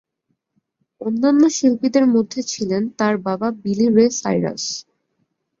অন্যান্য শিল্পীদের মধ্যে ছিলেন তার বাবা বিলি রে সাইরাস।